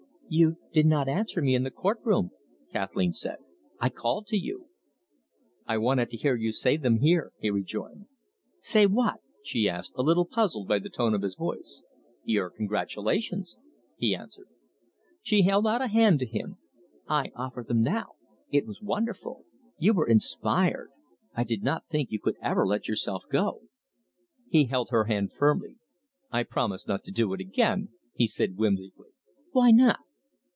"You did not answer me in the court room," Kathleen said. "I called to you." "I wanted to hear you say them here," he rejoined. "Say what?" she asked, a little puzzled by the tone of his voice. "Your congratulations," he answered. She held out a hand to him. "I offer them now. It was wonderful. You were inspired. I did not think you could ever let yourself go." He held her hand firmly. "I promise not to do it again," he said whimsically. "Why not?"